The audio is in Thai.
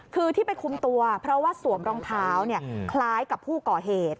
คือที่ไปคุมตัวเพราะว่าสวมรองเท้าคล้ายกับผู้ก่อเหตุ